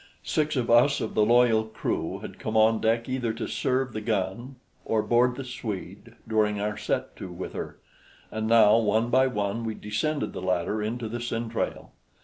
Six of us of the loyal crew had come on deck either to serve the gun or board the Swede during our set to with her; and now, one by one, we descended the ladder into the centrale.